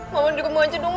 mama di rumah aja dong